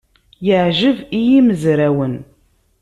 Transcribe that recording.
Yeɛjeb i yimezrawen.